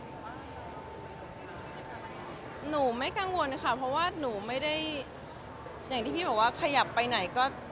หนูไม่กังวลค่ะเพราะว่าหนูไม่ได้อย่างที่พี่บอกว่าขยับไปไหนก็